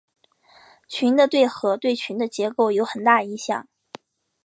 群的对合对群的结构有很大影响。